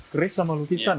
keris sama lukisan ya